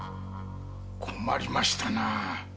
困りましたな。